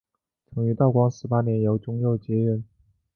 曾于道光十八年由中佑接任。